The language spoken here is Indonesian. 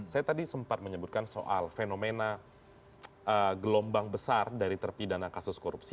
saya tadi sempat menyebutkan soal fenomena gelombang besar dari terpidana kasus korupsi